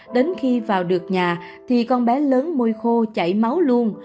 đến khi vào được nhà thì con bé lớn môi khô chảy máu luôn